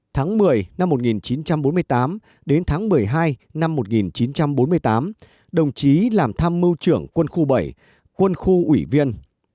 tháng một mươi năm một nghìn chín trăm bốn mươi tám đến tháng một mươi hai năm một nghìn chín trăm bốn mươi tám đồng chí làm tham mưu trưởng quân khu bảy quân khu ủy viên